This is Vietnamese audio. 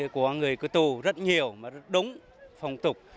của người cơ tu rất nhiều mà rất đúng phong tục